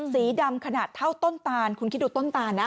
สีดำขนาดเท่าต้นตานคุณคิดดูต้นตานนะ